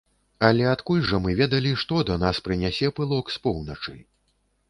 Але, адкуль жа мы ведалі, што да нас прынясе пылок з поўначы?